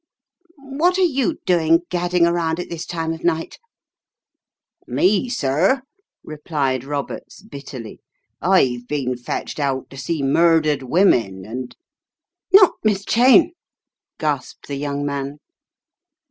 "What are you doing gadding around at this time of night?" "Me, sir?" replied Roberts, bitterly. "I've bin fetched out to see murdered women and " "Not — not Miss Cheyne !" gasped the young man.